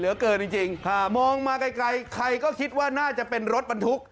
เกินจริงครับมองมาไกลใครก็คิดว่าน่าจะเป็นรถบรรทุก